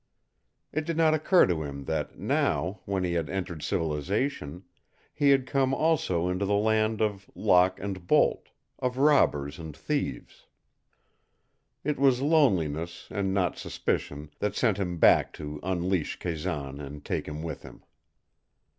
It did not occur to him that now, when he had entered civilization, he had come also into the land of lock and bolt, of robbers and thieves. It was loneliness, and not suspicion, that sent him back to unleash Kazan and take him with him.